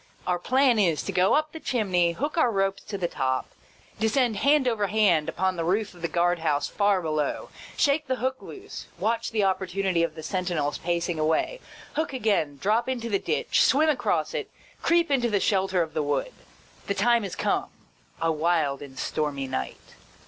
Our plan is, to go up the chimney, hook our ropes to the top, descend hand over hand upon the roof of the guard house far below, shake the hook loose, watch the opportunity of the sentinel's pacing away, hook again, drop into the ditch, swim across it, creep into the shelter of the wood. The time is come — a wild and stormy night.